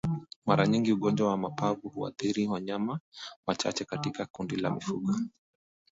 Mara nyingi ugonjwa wa mapafu huathiri wanyama wachache katika kundi la mifugo